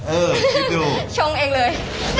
เออคิดดูชงเองเลย